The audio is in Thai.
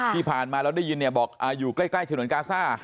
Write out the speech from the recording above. ที่ผ่านมาเราได้ยินเนี่ยบอกอยู่ใกล้ฉนวนกาซ่า